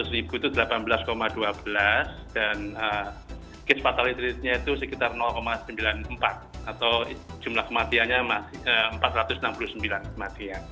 minggu itu delapan belas dua belas dan case fatality nya itu sekitar sembilan puluh empat atau jumlah kematiannya empat ratus enam puluh sembilan